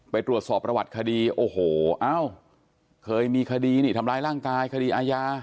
ไปตรวจสอบประวัติคดีโอ้โหอ้าวเคยมีคดีนี่ทำร้ายร่างกายคดีอาญา